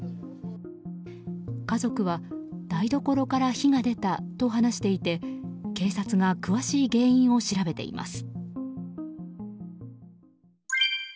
家族は台所から火が出たと話していて警察が詳しい原因を調べています。